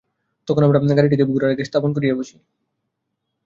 তখন আমরা গাড়ীটিকে ঘোড়ার আগে স্থাপন করিয়া বসি।